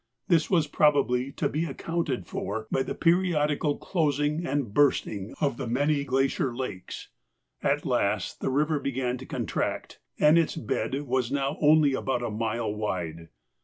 This was probably to be accounted for by the periodical closing and bursting of the many glacier lakes. At last the river began to contract, and its bed was now only about a mile wide.